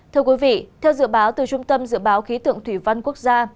thưa quý vị theo dự báo từ trung tâm dự báo khí tượng thủy văn quốc gia